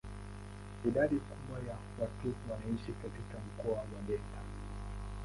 Idadi kubwa ya watu wanaishi katika mkoa wa delta.